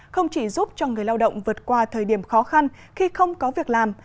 không chỉ giúp cho người lao động vượt qua thời điểm khó khăn khi không có việc làm